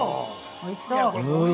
◆おいしそう。